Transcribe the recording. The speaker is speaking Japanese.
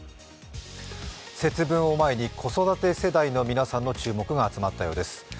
節分を前に子育て世代の皆さんの注目が集まったようです。